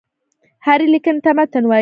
هري ليکني ته متن وايي.